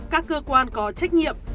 các cơ quan có trách nhiệm